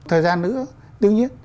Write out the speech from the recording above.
thời gian nữa tương nhiên